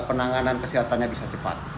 dan penanganan kesehatannya bisa cepat